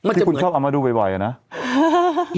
ที่คุณชอบเอามาดูบ่อยนะ